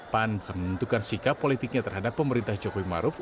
pan penentukan sikap politiknya terhadap pemerintah jokowi maruf